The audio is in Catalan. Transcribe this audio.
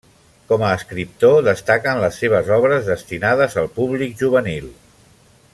Com a escriptor, destaquen les seves obres destinades al públic juvenil.